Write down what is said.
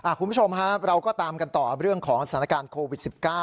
คุณผู้ชมครับเราก็ตามกันต่อเรื่องของสถานการณ์โควิด๑๙